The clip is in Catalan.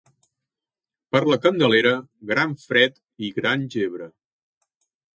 Per la Candelera, gran fred i gran gebre.